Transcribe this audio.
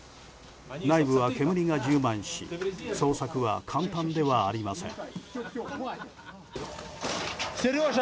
内部は煙が充満し捜索は簡単ではありません。